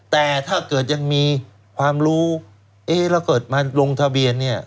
แต่ถ้าเกิดยังมีความรู้แล้วเกิดมาลงทะเบียน